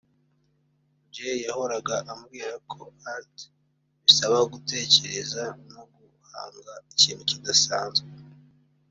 Jay yahoraga ambwira ko ‘art’ bisaba gutekereza no guhanga ikintu kidasanzwe